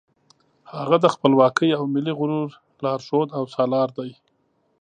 هغه د خپلواکۍ او ملي غرور لارښود او سالار دی.